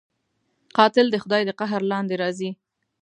قاتل د خدای د قهر لاندې راځي